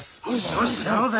おしっやろうぜ！